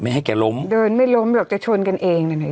ไม่ให้แกล้มเดินไม่ล้มหรอกจะชนกันเองน่ะเนี่ย